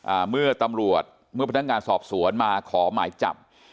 อ่าเมื่อตำรวจเมื่อพนักงานสอบสวนมาขอหมายจับ